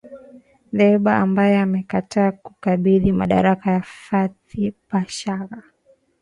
Dbeibah ambaye amekataa kukabidhi madaraka kwa Fathi Bashagha